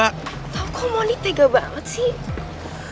tau kok mondi tega banget sih